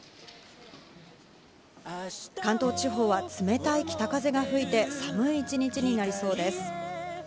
関東地方は冷たい北風が吹いて寒い一日になりそうです。